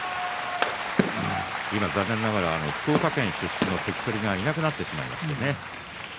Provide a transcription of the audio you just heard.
残念ながら福岡県出身の関取が今はいなくなってしまいましたね。